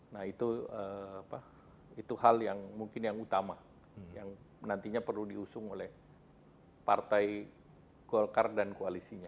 nah itu hal yang mungkin yang utama yang nantinya perlu diusung oleh partai golkar dan koalisinya